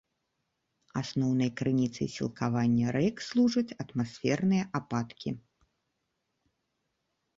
Асноўнай крыніцай сілкавання рэк служаць атмасферныя ападкі.